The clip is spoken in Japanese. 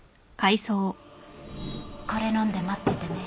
これ飲んで待っててね